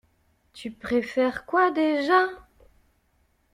Tu préfères quoi déjà?